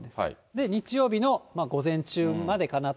日曜日の午前中までかなと。